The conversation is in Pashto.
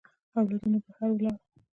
اولادونه بهر ولاړ.